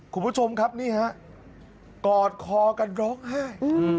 คุณผู้ชมครับนี่ฮะกอดคอกันร้องไห้